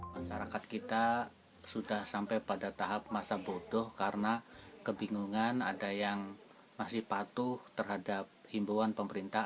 masyarakat kita sudah sampai pada tahap masa bodoh karena kebingungan ada yang masih patuh terhadap himbuan pemerintah